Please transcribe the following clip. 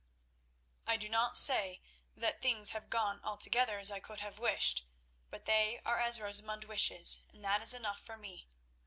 "I do not say that things have gone altogether as I could have wished, but they are as Rosamund wishes, and that is enough for me.